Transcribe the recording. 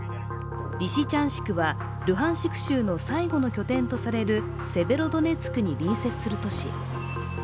リシチャンシクは、ルハンシク州の最後の拠点とされるセベロドネツクに隣接する都市。